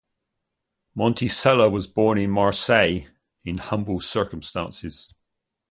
Monticelli was born in Marseille in humble circumstances.